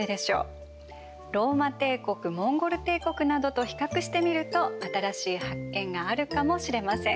ローマ帝国モンゴル帝国などと比較してみると新しい発見があるかもしれません。